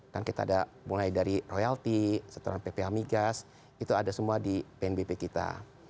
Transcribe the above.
dan kita ada mulai dari royalty setelah ppl mi gas itu ada semua di pnbp kita